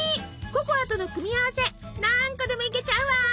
ココアとの組み合わせ何個でもいけちゃうわ！